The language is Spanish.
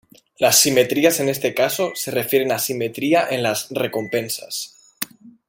Las simetrías en este caso se refieren a simetría en las recompensas.